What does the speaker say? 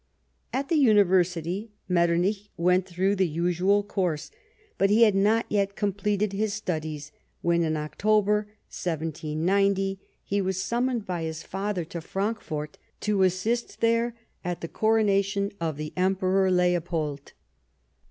At the Univer sity, Metternich went through the usual course, but he had not yet completed his studies when, in Octoher, 1700^ he was summoned by his father to Frankfort, to assist there at the coronation of the Emperor Leopold.